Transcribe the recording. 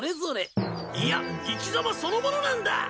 いや生きざまそのものなんだ！